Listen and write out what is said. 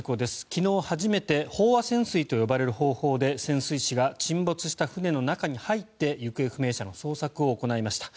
昨日初めて飽和潜水と呼ばれる方法で潜水士が沈没した船の中に入って行方不明者の捜索を行いました。